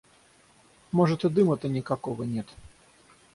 Может, и дыма-то никакого нет.